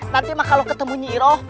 nanti kalau ketemu nyi iroh